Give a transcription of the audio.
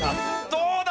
どうだ？